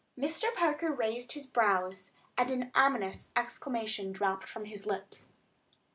Mr. Parker raised his brows, and an ominous exclamation dropped from his lips.